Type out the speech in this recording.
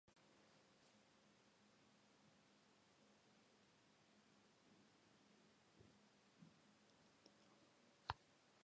Neguan, izotza kamioi bat igarotzeko beste tamaina du.